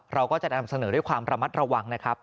เราก็จะนำเสนอด้วยความระมัดระวังนะครับ